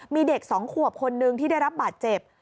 มีเด็ก๒ขวบคนนึงที่ได้รับบาดเจ็บ